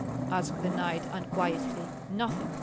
asked the knight, unquietly. "Nothing!